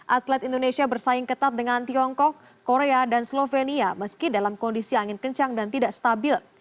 atlet indonesia bersaing ketat dengan tiongkok korea dan slovenia meski dalam kondisi angin kencang dan tidak stabil